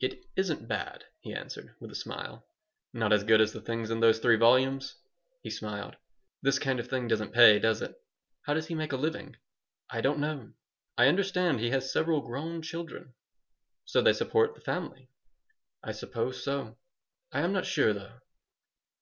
"It isn't bad," he answered, with a smile "Not as good as the things in those three volumes?" He smiled "This kind of thing doesn't pay, does it? How does he make a living?" "I don't know. I understand he has several grown children." "So they support the family?" "I suppose so. I am not sure, though."